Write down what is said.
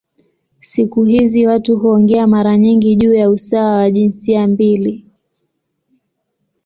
Siku hizi watu huongea mara nyingi juu ya usawa wa jinsia mbili.